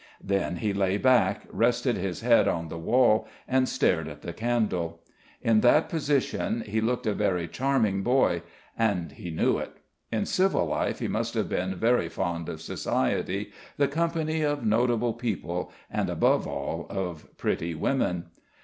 Then he lay back, rested his head on the wall and stared at the candle. In that position he looked a very charming boy, and he knew it. In civil life he must have been very fond of society, the company of notable people, and above all of pretty women.